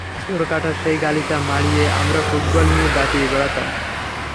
চোরকাঁটার সেই গালিচা মাড়িয়ে আমরা ফুটবল নিয়ে দাপিয়ে বেড়াতাম।